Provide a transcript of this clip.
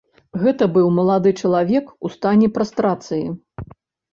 Гэта быў малады чалавек у стане прастрацыі.